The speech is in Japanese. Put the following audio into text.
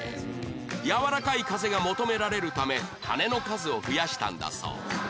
やわらかい風が求められるため羽根の数を増やしたんだそう